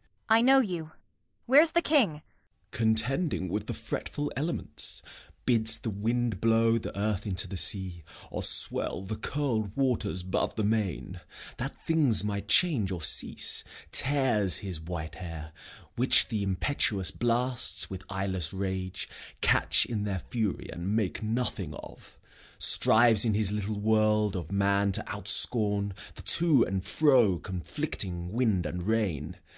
Kent. I know you. Where's the King? Gent. Contending with the fretful elements; Bids the wind blow the earth into the sea, Or swell the curled waters 'bove the main, That things might change or cease; tears his white hair, Which the impetuous blasts, with eyeless rage, Catch in their fury and make nothing of; Strives in his little world of man to outscorn The to and fro conflicting wind and rain.